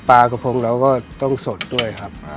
ปลากระพงเราก็ต้องสดด้วยครับ